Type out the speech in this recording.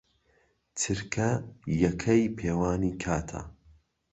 چرکە یەکەی پێوانی کاتە.